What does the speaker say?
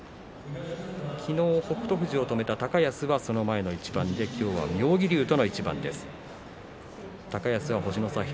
昨日、北勝富士を止めた高安はその前の一番で今日は妙義龍との一番です。